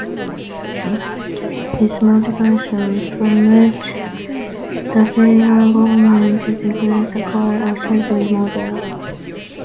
His modifications prompted the federal government to declare the car a Shelby model.